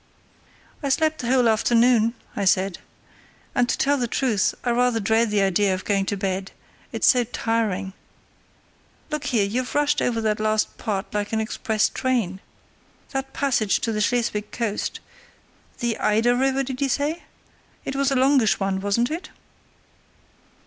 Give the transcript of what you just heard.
"I slept the whole afternoon," I said; "and, to tell the truth, I rather dread the idea of going to bed, it's so tiring. Look here, you've rushed over that last part like an express train. That passage to the Schleswig coast—the Eider River, did you say?—was a longish one, wasn't it?"